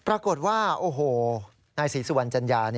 ปรากฏว่านายสีสุวรรณจัญญา